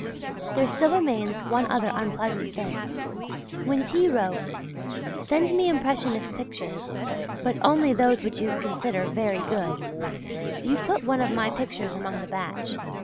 There still remains one other unpleasant thing. When T. wrote: "Send me impressionist pictures, but only those which you consider very good" you put one of my pictures among the batch.